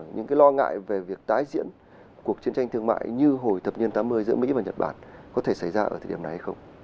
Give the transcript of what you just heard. những lo ngại về việc tái diễn cuộc chiến tranh thương mại như hồi thập niên tám mươi giữa mỹ và nhật bản có thể xảy ra ở thời điểm này hay không